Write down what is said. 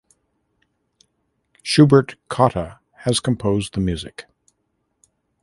Schubert Cotta has composed the music.